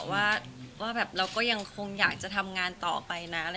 ว่าแบบเราก็ยังคงอยากจะทำงานต่อไปนะ